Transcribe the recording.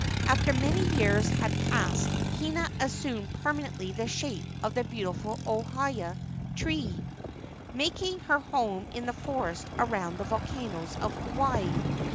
After many years had passed Hina assumed permanently the shape of the beautiful ohia tree, making her home in the forest around the vol¬ canoes of Hawaii.